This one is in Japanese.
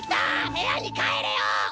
部屋に帰れよ！